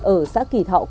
ở xã kỳ thọ huyện kỳ anh